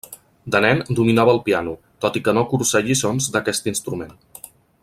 De nen dominava el piano, tot i que no cursà lliçons d'aquest instrument.